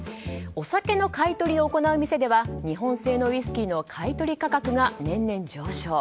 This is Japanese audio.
お酒の買い取りを行う店では日本製のウイスキーの買い取り価格が年々上昇。